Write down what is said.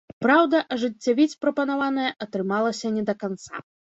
Праўда, ажыццявіць прапанаванае атрымалася не да канца.